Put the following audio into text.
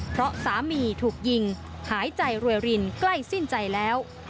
เพราะสามีถูกยิงหายใจรวยรินใกล้สิ้นใจแล้ว